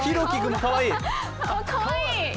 かわいい！